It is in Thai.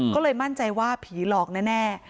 ก็เลยมั่นใจว่าผีหลอกแน่